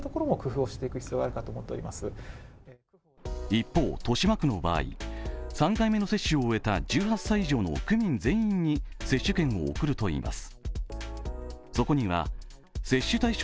一方、豊島区の場合３回目の接種を終えた１８歳以上の区民全員に接種券を送るといいます。